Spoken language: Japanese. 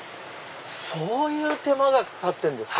そういう手間かかってんですか。